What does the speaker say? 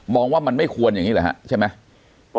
มองว่ามันไม่ควรอย่างนี้หรือครับ